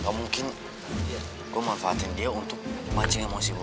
kamungkin gue manfaatin dia untuk mancing emosi boy